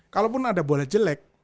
kalaupun ada bola jelek